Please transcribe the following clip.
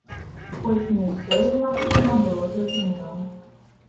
Хоць не ўсё ім, магчыма, было зразумела.